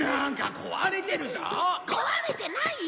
壊れてないよ！